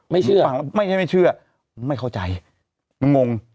ไม่เชื่อฟังไม่ใช่ไม่เชื่อไม่เข้าใจงง